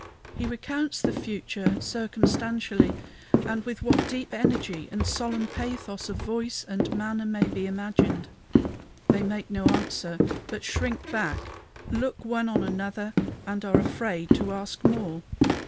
He recounts the future, circumstantially, and with what deep energy and solemn pathos of voice and manner may be imagined. They make no answer, but shrink back, look one on another, and are afraid to ask more.